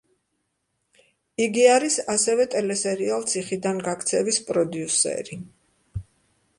იგი არის ასევე ტელესერიალ „ციხიდან გაქცევის“ პროდიუსერი.